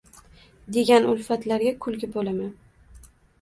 Degan ulfatlarga kulgi bo’laman.